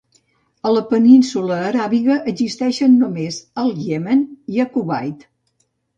A la península Aràbiga existeixen només al Iemen i a Kuwait.